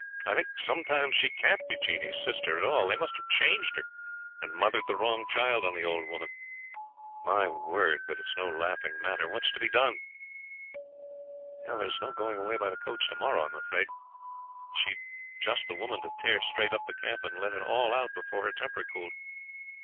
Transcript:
I think sometimes she can't be Jeanie's sister at all. They must have changed her, and mothered the wrong child on the old woman. My word! but it's no laughing matter. What's to be done?' 'There's no going away by the coach to morrow, I'm afraid. She's just the woman to tear straight up the camp and let it all out before her temper cooled.